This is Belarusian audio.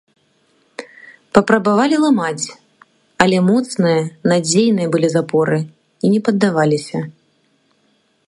Папрабавалі ламаць, але моцныя, надзейныя былі запоры і не паддаваліся.